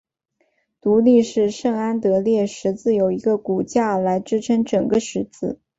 独立式圣安得烈十字有一个骨架来支撑整个十字。